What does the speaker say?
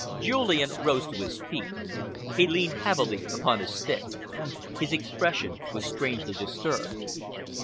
Julian rose to his feet. He leaned heavily upon his stick. His expression was strangely disturbed.